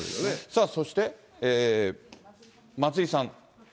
そして松井さん。